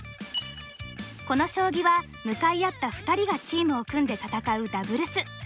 この将棋は向かい合った２人がチームを組んで戦うダブルス。